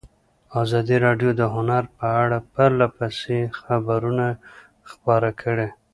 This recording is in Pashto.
ازادي راډیو د هنر په اړه پرله پسې خبرونه خپاره کړي.